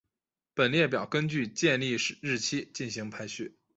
本列表根据建立日期进行排序。